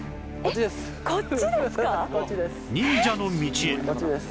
忍者の道へ